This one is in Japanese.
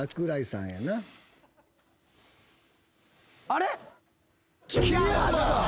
あれ！？